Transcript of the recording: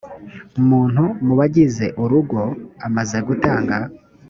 muntu mu bagize urugo amaze gutanga